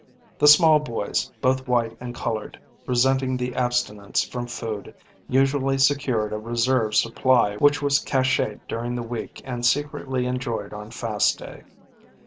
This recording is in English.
The small boys, both white and colored, resenting the abstinence from food, usually secured a reserve supply which was cached during the week and secretly enjoyed on fast day.